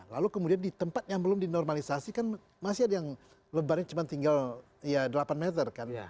lalu kemudian di tempat yang belum dinormalisasi kan masih ada yang lebarnya cuma tinggal ya delapan meter kan